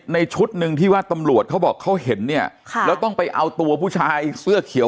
ชุดหนึ่งที่ว่าตำรวจเขาบอกเขาเห็นเนี่ยค่ะแล้วต้องไปเอาตัวผู้ชายเสื้อเขียว